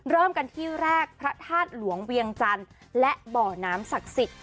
เริ่มกันที่แรกพระธาตุหลวงเวียงจันทร์และบ่อน้ำศักดิ์สิทธิ